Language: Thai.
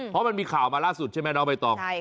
เพราะมันมีข่าวมาล่าสุดใช่ไหมน้องใบตอง